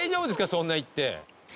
そんないって。